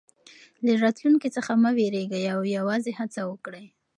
له راتلونکي څخه مه وېرېږئ او یوازې هڅه وکړئ.